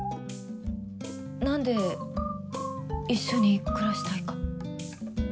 何で一緒に暮らしたいか。